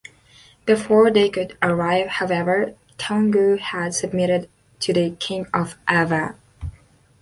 Before they could arrive however, Toungoo had submitted to the King of Ava.